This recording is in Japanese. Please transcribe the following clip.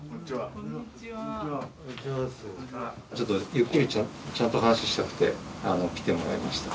ゆっくりちゃんと話したくてあの来てもらいました。